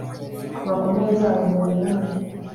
Kuva ku ntebe zabo ndende zo mu Ijuru